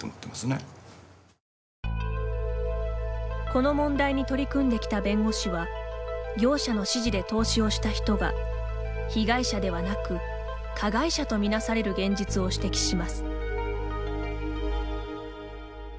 この問題に取り組んできた弁護士は業者の指示で投資をした人が被害者ではなく、加害者とみなされる現実を指摘します。